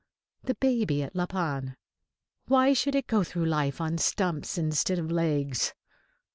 The baby at La Panne why should it go through life on stumps instead of legs?